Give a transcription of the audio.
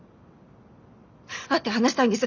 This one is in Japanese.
会って話したいんです。